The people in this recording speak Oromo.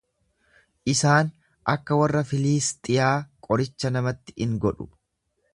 Isaan akka warra Filiisxiyaa qoricha namatti in godhu.